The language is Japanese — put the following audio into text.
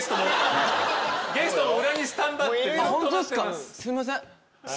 ゲストも裏にスタンバってます。